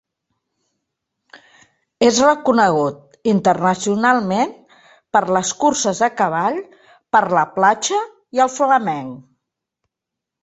És reconegut internacionalment per les curses a cavall per la platja i el flamenc.